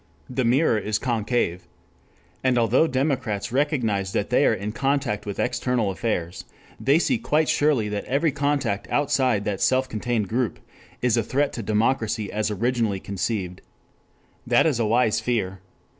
The mirror is concave. And although democrats recognize that they are in contact with external affairs, they see quite surely that every contact outside that self contained group is a threat to democracy as originally conceived. That is a wise fear.